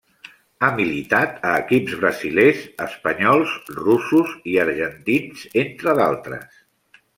Ha militat a equips brasilers, espanyols, russos i argentins, entre d'altres.